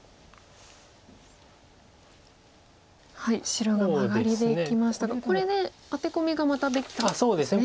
白がマガリでいきましたがこれでアテコミがまたできたんですね。